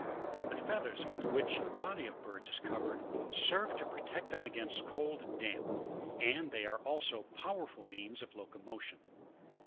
15. The /ea/Aer* with which the body of birds is covered, serve to protect them against cold and damp ; and they are also powerful means of locomotion.